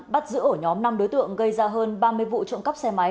bắt giữ ổ nhóm năm đối tượng gây ra hơn ba mươi vụ trộm cắp xe máy